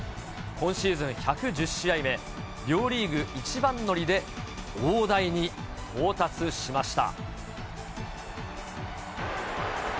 今シーズン１１０試合目、両リーグ一番乗りで大台に到達しました。